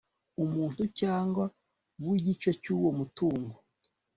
umuntu cyangwa w igice cy uwo mutungo